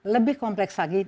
lebih kompleks lagi